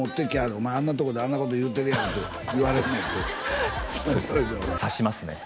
「お前あんなとこであんなこと言うてるやん」って言われんねんてそうですね刺しますね